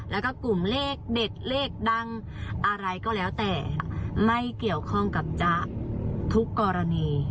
แล้วก็กลุ่มเลขเด็ดเลขดังอะไรก็แล้วแต่ไม่เกี่ยวข้องกับจ๊ะทุกกรณี